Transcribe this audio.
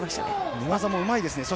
寝技もうまいですね。